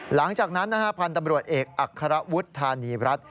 หลังจากนั้นพันธ์ตำรวจเอกอัครวุฒิธานีรัฐ